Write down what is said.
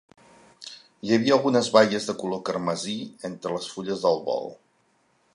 Hi havia algunes baies de color carmesí entre les fulles del bol.